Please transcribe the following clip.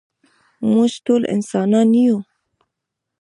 مونږ ټول انسانان يو.